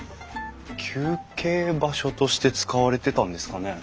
休憩場所として使われてたんですかね？